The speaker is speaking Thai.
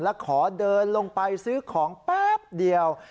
แล้วขอเดินลงไปซื้อของแป๊บเดียว